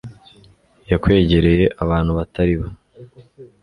yakwegereye abantu batari bo